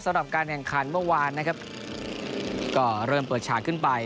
สำหรับการแข่งขันเมื่อวานนะครับก็เริ่มเปิดฉากขึ้นไป